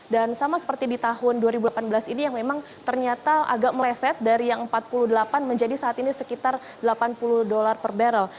dan sama seperti di tahun dua ribu delapan belas ini yang memang ternyata agak meleset dari yang empat puluh delapan menjadi saat ini sekitar delapan puluh dolar per barrel